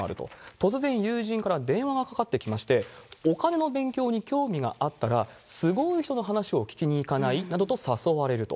突然、友人から電話がかかってきまして、お金の勉強に興味があったら、すごい人の話を聞きにいかない？などと誘われると。